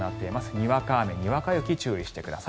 にわか雨、にわか雪に注意してください。